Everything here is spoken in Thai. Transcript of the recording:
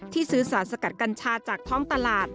ซื้อสารสกัดกัญชาจากท้องตลาด